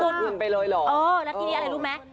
แล้วทีนี้อะไรรู้มั้ย